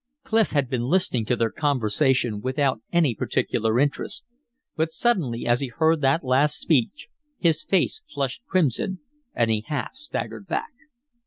Clif had been listening to their conversation without any particular interest. But suddenly as he heard that last speech his face flushed crimson and he half staggered back.